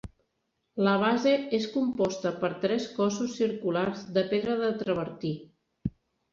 La base és composta per tres cossos circulars de pedra de travertí.